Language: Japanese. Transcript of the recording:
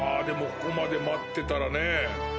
でもここまで待ってたらねぇ。